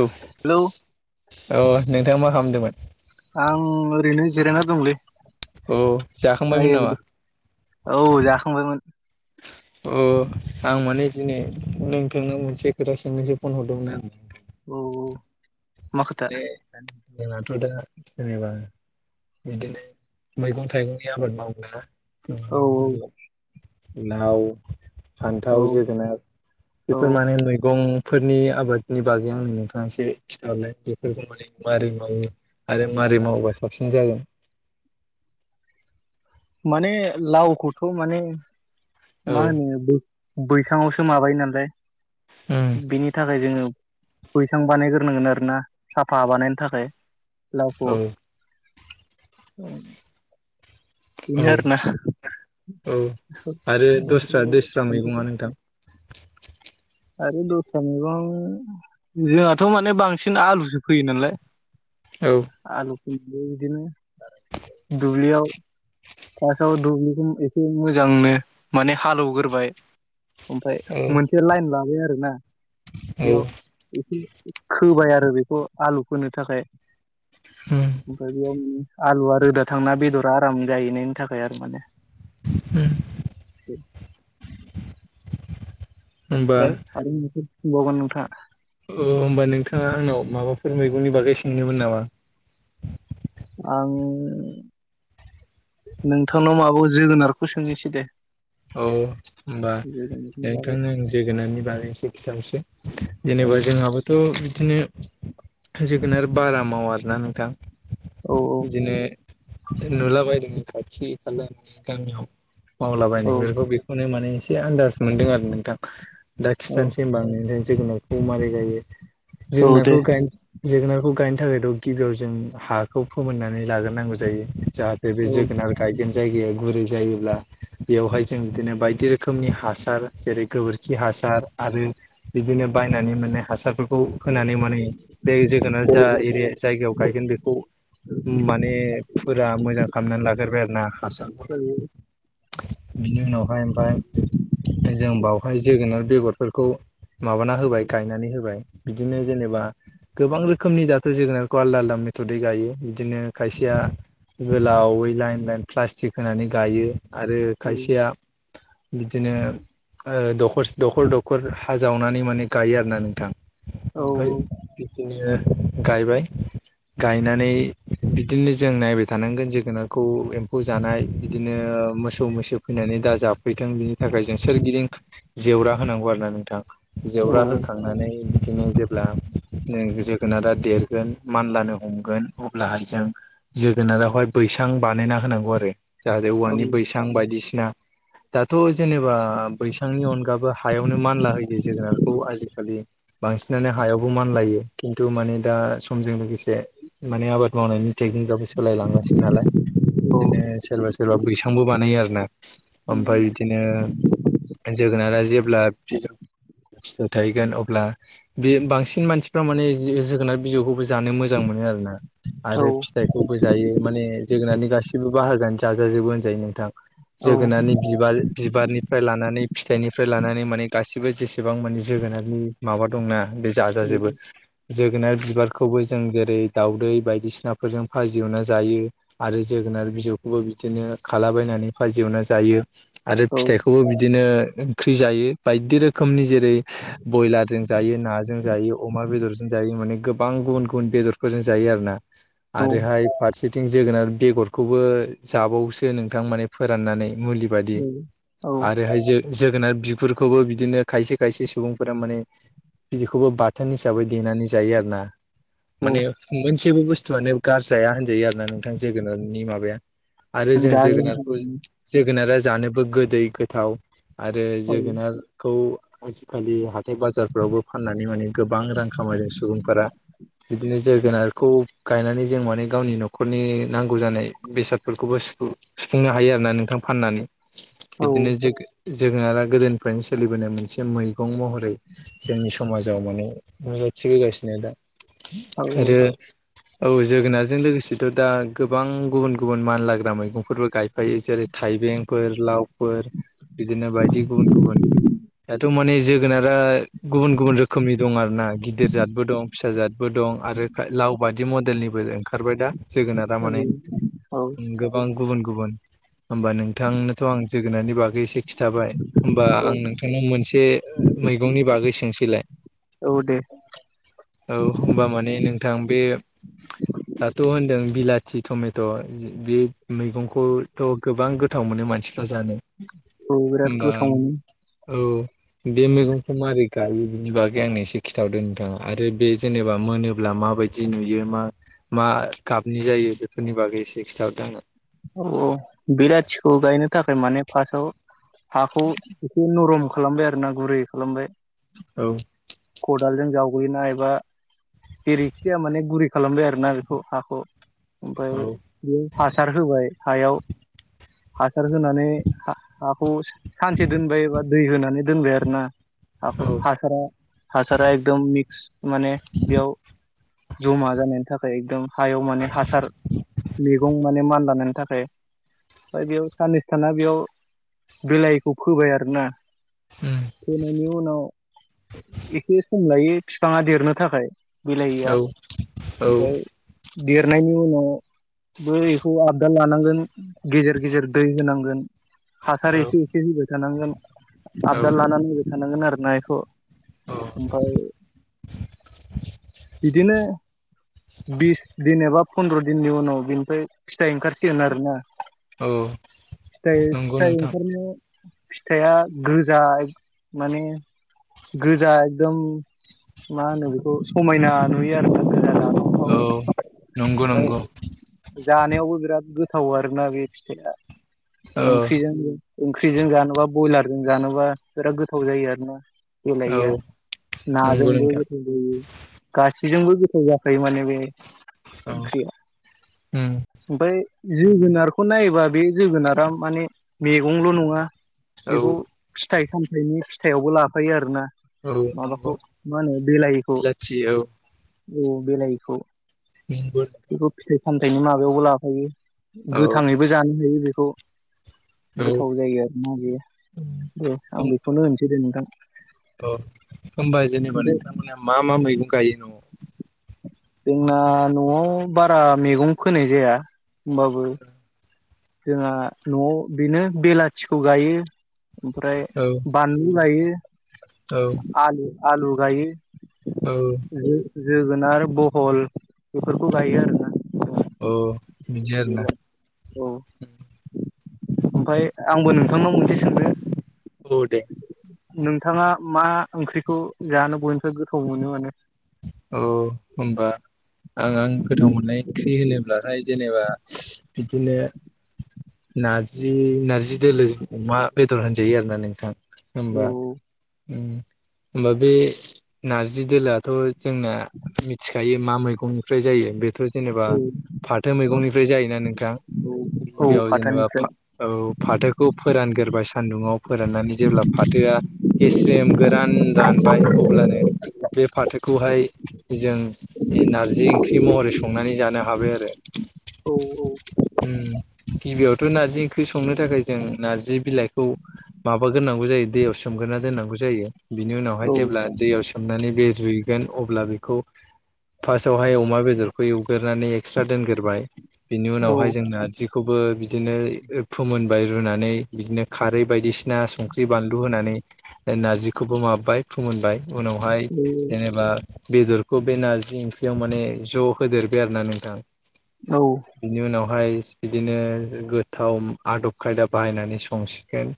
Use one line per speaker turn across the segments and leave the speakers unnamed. औ
हेलौ
औ नोंथाङा मा खालामदोंमोन?
आं ओरैनो जिरायना दंलै।
अ जाखांबायमोन नामा
आयोदि औ जाखांबायमोन।
अ आं माने दिनै नोंथांनाव मोनसे खोथा सोंनोसो फन हरदोंमोन आं।
औ औ मा खोथा?
माने जोंनाथ' दा जेनेबा बिदिनो मैगं थाइगंनि आबाद मावब्ला
औ
[unintelligible] लाव
औ
फान्थाव, जोगोनार बेफोर
औ
माने मैगं फोरनि आबादनि बागै आंनो नोंथाङा एसे खिन्था हरलाय। बेफोरखौ माने माबारै मावो। आरो माबारै मावोबा साबसिन जागोन। [inaudible]
माने लाव खौथ' माने।
औ
मा होनो बै-बैसाङावसो माबायो नालाय।
उम
बिनि थाखाय जोङो बैसां बानायगोर गोरनांगोन आरोना साफा बानायनि थाखाय लावखौ।
औ
उम
औ
बिनो आरोना।
औ आरो दस्रा
ओमफ्राय
दैस्रा मैगङा
ओमफ्राय
नोंथां।
आरो दस्रा मैगं जोंहाथ माने बांसिन आलुसो फैयो नालाय।
औ
आलुखौ बिदिनो दुबलियाव फासआव दुब्लिखौ एसे मोजांनो माने हाल एवग्रोबाय। ओमफाय
औ
मोनसे लाइन लाबाय आरोना।
उम
बेयाव एसे खोबाय आरो बेखौ आलु फोनो थाखाय
उम
ओमफ्राय बेयाव आलुआ रोदा थांना बेदरा आराम जाहैनायनि थाखाय आरो माने।
ओम
औ
होमबा
ओमफ्राय आं [inaudible] नोंसोरंबावगोन नोंथाङा
अ होमबा नोंथाङा आंनाव माबाफोर मैगंनि बागै सोंनोमोन नामा
आं नोंथांनाव माबायाव जोगोनारखौ सोंहनोसै दे
औ होनबा
जोगोनारनि बागै
नोंथांनो आं जोगोनारनि बागै एसे खिथाहनोसै
औ
जेनेबा जोंहाबोथ' बिदिनो जोगोनार बारा मावा आरोना नोंथां
औ
बिदिनो नुलाबायदों खाथि खाला गामियाव मावलाबाय
औ
बेफोरखौ बेखौनो माने एसे आनन्दाज मोनदों आरो नोंथां दा
औ
खिथानसम होनबा आं नोंथांनिसिम जोगोनारखौ मारै गायो
औ दे
जोगोनारखौ गाय जोगोनारखौ गाय थाखायथ' गिबियाव जों हाखौ फोमोननानै लाग्रोनांगौ जायो जाहाथे बे
औ
जोगोनार गायगोन जायगाया गुरै जायोब्ला बेयावहाय जों बिदिनो बायदि रोखोमनि हासार जेरै गोबोरखि हासार आरो बिदिनो बायनानै मोननाय हासारफोरखौ खौ होनानै माने बे जोगोनार
औ
जा एरिया जायगायाव गायगोन बेखौ माने फोरा मोजां खालामनानै लाग्रबाय आरो ना
औ
हासारफोरा बेवहाय ओमफ्राय जों बावहाय जोगोनार बेगरफोरखौ माबाना होबाय गायनानै होबाय बिदिनो जेनेबा गोबां रोखोमनि दाथ' जोगोनारखौ आलदा आलदा मेथदै गायो बिदिनो खायसेया गोलावै लाइन लाइन प्लास्टिक होनानै गायो आरो खायसेया बिदिनो अ दखर दखर दखर हा जावनानै माने गायो आरोना नोंथां
औ
ओमफफ्राय
औ
बिदिनो गायबाय गायनानै बिदिनो जों नायबाय थानांगोन जोगोनारखौ एम्फौ जानाय बिदिनो मोसौ मैस फैनानै दा जाफैथों बिनि थाखाय जों सोरगिदिं जेवरा होनांगौ आरो ना नोंथां जेवरा होखांनानै बिदिनो जेब्ला जोगोनारा देरगोन मानलानो हमगोन अब्लाहाय जों जोगोनारावहाय बैसां बानायना होनांगौ आरो जाहाथे औवानि बैसां बायदिसिना दाथ' जेनेबा बैसांनि अनगाबो हायावनो मानला होयो जोगोनारखौ आजिखालि बांसिनानो हायावबो मानलायो खिन्थु माने दा समजों लोगोसे माने आबाद मावनायनि टेकनिकाबो सोलायलांगासिनो नालाय बिदिनो सोरबा सोरबा बैसांबो बानायो आरो ना ओमफफ्राय बिदिनो जोगोनारा जेब्ला फिथाय थाहैगोन अब्ला बे बांसिन मानसिफ्रा माने जोगोनार बिजौखौबो जानो मोजां मोनो आरोना
औ
आरो फिथाइखौबो जायो माने जोगोनारनि गासैबो बाहागोानो जाजोबो होनजायो नोंथां
औ
जोगोनारनै बिबार बिबारनिफ्राय लानानै फिथाइनिफ्राय लानानै माने गासिबो जेसेबां माने जोगोनारनि माबा दंना बे
औ
जाजाजोबो जोगोनार बिबारखौबो जों जेरै दाउदै बायदिसिनाफोरजों फाजि एवना जायो आरो जोग जोगुनार बिजौखौबो बिदिनो खालाबायनानै फाजि एवना जायो आरो फिथाइखौबो बिदिनो ओंख्रि जायो बायदि रोखोमनि जेरै बयलारजों जायो नाजों जायो अमा बेदरजों जा जायो माने गोबां गुबुन गुबुन बेदरफोरजों जायो आरो ना
दे
आरोहाय फारसेथिं जोगोनार बेगरखौबो जाबावसो नोंथां माने फोराननानै मुलि बादि
औ
आरोहाय जो जोगोनार बिगुरफोरखौबो बिदिनो खायसे खायसे सुबुंफोरा माने बिदिखौबो बाथोन हिसाबै देनानै जायो आरो ना माने मोनसेबो बुस्थुआनो गारजाया होनजायो आरो ना नोंथां जोगोनारनि माबाया आरोर जोगोनारखौ जोगोनारा जानोबो गोदै गोथाव आरो जोगोनारखौ आजिखालि हाथाय बाजारफोरावबो फाननानै माने गोबां रां खामायदों सुबुंफोरा बिदिनो जोगोनारखौ गायनानै जों माने गावनि न'खरनि नांगौ जानाय बेसादफोरखौबो सुफुंनो हायो आरो फाननानै नोंथां फाननानै बिदिनो ज जोङो आरो गोदोनिफ्रायनो सोलिबोनाय मोनसे मैगं महरै जोंनि समाजाव माने मजां खाथिबोगासिनो दा आरो औ जोगोनारजों लोगोसे दा गोबां गुबुन गुबुन मानलाग्रा मैगंफोरबो गाय यो जेरै थाइबेंफोर लावफोर बिदिनो बायदि गुबुन गुबुन हाथ' माने जोगोनारा गुबुन गुबुन रोखोमनि दं आरो ना गिदिर जादबो दं फिसााजाद बो दं आरो लाव बादि मडेलनिबो ओंखारबाय दा जोगोनारा माने गोबां गुबुन गुबुन होमबा नोंथांनोथ' आं जोगोननि बागै एसे खिन्थाबाय होमबा आं नोंथांनाव मोनसे मैगंनि बागै सोंसैलाय औ होमबा माने नोंथां बे दाथ' होनदों बिलाथि टमेट' बे मैगंखौथ' गोबां गोथाव मोनो मानसि जानो
बिराद
होमबा
गोथाव मोनो
औ बे मैगंखौ माबारै गायो बिनि बागै आं एसे खिथावदोंनोंथाङा आरो बे जेनेबा मोनोब्ला मा माबायदि नुयो मा मा गाबनि जायो बेफोरनि बागै एसे खिन्थाहरदों आङो
औ-औ बिलाथिखौ गायनो थाखाय माने फार्स्टआव हाखौ एसे नरम खालामबाय आरो ना गुरै खालामबाय
औ
खदालजों जावबोयोना एबा जेरैखिाया माने गुरै खालामबाय आरोोना बेखौ हाखौ
औ
ओमफफ्राय बे हासार हायाव हासार होनानै हाखौ सानसे दोनबायबा दै होनानै दोनबाय आरो ना
औ
हाखौ हासारा हासारा एकदम मिक्स माने बेयाव जमा जानायनि थाखाय एकदम हायाव माने हासार मैगं माने मान बानायनि थाखाय ओमफ्राय बेयाव साननैसो थाना बेयाव बिलाइखौ फोबाय आरोना
उम
फोयनि उनाव एसे सम लायो बिफाङा देरनो थाखाय बेलाहैया
औ
ओमफ्राय देरनायनि उनाव खौ आबदार लानांगोन गेजेर गेजेर दै होनांगोन हासार एसे एसे होबाय थानांगोन
औ
आबदाद लानानै फबाय थानांगोन आरोना बेखौ
औ
ओमफ्राय बिदिनो बिस दिन एबा फन्द्र' दिननि उनाव बिनिफ्राय फिथाइ ओंखारसिगोन आरोना
औ
फिथाय
नंगौ
फिथाय
नोंथां
ओंखारनायाव फिथाइआ गोजा माने गोजा एकदम मा होनो बेखौ समायना नुयो आरोना गोजाना
औ नंगौ
ओमफ्राय
नंगौ
जानायावबो बिराद गोथाव आरोना बे फिथाइआ
औ
ओंख्रिजों ओंख्रिजों जानोबा ब्रयलारजों जानोबा बिराद गोथाव जायो आरो ना
औ
गेलेैया
नंगौ
नाजोंबो
नोंथां
गोथयो गाससिबो बेजोंबो गोथाव जाखायो माने बे ओंख्रिया ओमफ्राय
औ
जोगोनारखौ नायोबा बे जोगोनारा माने मैगंल' नङा
औ
बेखौ फिथाइ सामथायाइनि फिथाइआवबो लाफायो आरो ना
औ नंगौ
माबाखौ मा होनो बिलाहिखौ
बिलाथि औ
औ बिलाहिखौ
[unintelligible]
फामथाइनि माबायावबो लाफायो
औ
गोथाङैबो जानो हायो बेखौ
औ
गोथाव जायो आरोना बेयो आं बेखौनो होनसै दे नोंथां।
अ होनबा जेनेबा
ओमफ्राय
नोंथांमोनहा मा मा मैगं गायो न'आव?
जोंना न'आव बारा मैगं फोनाय जाया होमबाबो जोंहा न'आव बेनो बेलाथिखौ गायो ओमफ्राय
औ
बानलु
औ
गायो आलु-आलु गायो
औ
जोगोनार, बहल बेफोरखौ गायो आरोना
अ बिदि आरो ना?
बेल' औ ओमफ्राय आंबो नोंथांनाव मोनसे सोंनो
औ दे
नोंथाङा मा ओंख्रिखौ जानो बयनिफ्राय गोथाव मोनो माने?
औ होनबा आं-आं गोथाव मोननाय ओंख्रि होनोब्लाथाय जेनेबा बिदिनो नारजि-नारजि दोलो अमा बेदर होनजायो आरोना नोंथां।
औ औ
होनबा बे नारजि दोलोआ थ' जोंना मिथिखायो मा मैगंनिफ्राय जायो बे थ' जेनेबा फाथो मैगंनिफ्राय जायोना नोंथां?
औ औ
गिबियाव जेनेबा
फाथोनिफ्राय
फा औ फाथोखौ फोरान गोरबाय सान्दुङाव फोराननानै जेब्ला फाथोआ गेस्रेम गोरान रानबाय अब्लानो बे खौहाय जों नारजि ओंख्रि महरै संनानै जानो हाबाय आरो।
औ
उम, गिबियावथ' नार्जि ओंख्रि संनो थाखाय जों नार्जि बिलाइखौ माबा गोरनांगौ जायो दैयाव सोमगोरना दोननांगौ जायो बिनि उनावहाय
औ
जेब्ला दैयाव सोमनानै बे रूइगोन अब्ला बेखौ फास्टआवहाय अमा बेदरखौ एवग्रोनानै एक्सट्रा दोनगोरबाय बिनि
औ
उनावहाय जों नारजिखौबो बिदिनो फोमोनबाय रुनानै बिदिनो खारै बायदिसि ना संख्रि-बानलु होनानै ओ नारजिखौबो माबाय फोमोनबाय। उनावहाय
औ
ओ बेदरखौ बे नारजि ओंख्रियाव माने ज' होदेरबाय आरो ना नोंथां।
औ
बिनि उनाव बेहाय बिदिनो गोथाव आदब खायदा बाहायनानै संसिगोन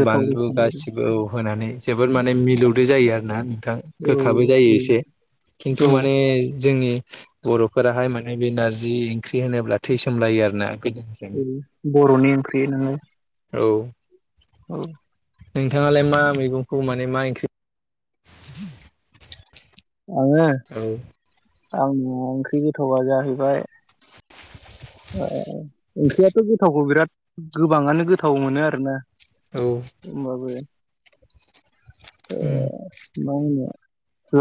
गोथाव
गासिबो औ होनानै जोबोद माने मिलौदो जायो आरो ना नोंथां।
औ
गोखाबो जायो एसे खिन्थु
औ
माने जोंनि बर'फोराहाय माने बे नारजि ओंख्रि होनोब्ला थै सोमलायो आरो ना।
उम बर'नि ओंख्रि नोङो
औ
औ
नोंथाङालाय मा मैगंखौ माने मा ओंख्रि
आङो
औ
आंनि ओंख्रि गोथावा जाहैबाय ओंख्रियाथ' गोथावखौ बिराद गोबाङानो गोथाव मोनो आरोना
औ
होमबाबो
उम
मा होनो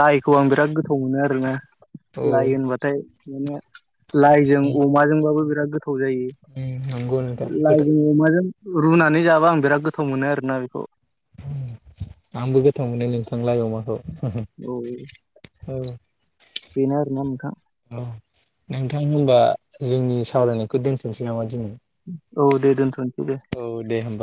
लाइखौ आं बिराद गोथाव मोनो आरोना
औ
लाइ होनबाथाय माने लाइजों
उम
अमाजोंबाबो बिराद गोथाव जायो।
उम नंगौ नोंथां गोथाव
लाइजों अमाजों रुनानै जाबा आं बिराद गोथाव मोनो आरोना बेखौ।
आंबो गोथाव मोनो नोंथां लाइ अमाखौ। औ
बेनो आरो ना नोंथां।
औ नोंथां होमबा जोंनि सावरायनायखौ दोनथ'नोसै नामा दिनै?
औ दे दोनथ'नोसै दे
औ दे होमबा